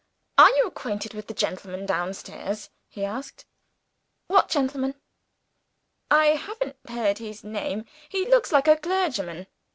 "Are you acquainted with the gentleman downstairs?" he asked. "What gentleman?" "I haven't heard his name; he looks like a clergyman.